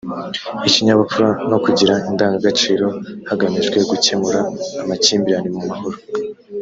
ikinyabupfura no kugira indangagaciro hagamijwe gukemura amakimbirane mu mahoro